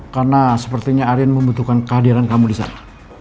karena sepertinya arin membutuhkan kehadiran kamu disana